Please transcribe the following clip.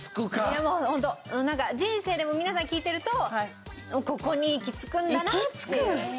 なんか人生でも皆さん聞いてるとここに行き着くんだなっていう。